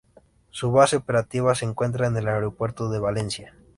Su base operativa se encuentra en el aeropuerto de Valencia.